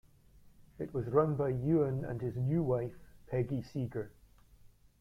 It was run by Ewan and his new wife, Peggy Seeger.